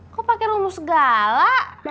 kok pake rumus segala